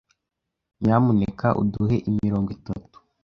Nyamuneka uduhe imirongo itatu.